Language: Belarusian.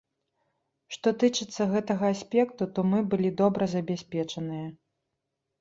Што тычыцца гэтага аспекту, то мы былі добра забяспечаныя.